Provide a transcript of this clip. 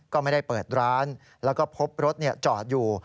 ก็ไม่ได้เปิดร้านแล้วก็พบรถจอดอยู่